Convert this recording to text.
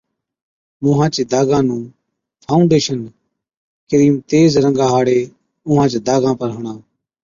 مُونهان چي داگان نُون ’فائوڊيشن‘ ڪرِيم تيز رنگا هاڙي اُونهاچ داگان پر هڻا